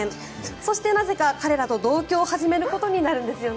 そしてなぜか彼らと同居を始めることになるんですよね。